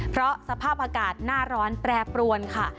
เพราะสภาพอากาศหน้าร้อนแปรปรวนค่ะ